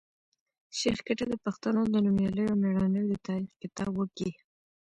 شېخ کټه د پښتنو د نومیالیو او مېړنیو د تاریخ کتاب وکېښ.